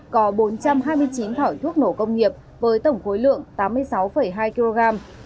có bốn trăm hai mươi chín thỏi thuốc nổ công nghiệp với tổng khối lượng tám mươi sáu hai kg